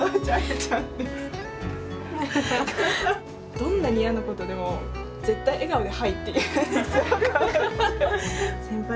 どんなに嫌なことでも絶対笑顔で「はい」って言うんです。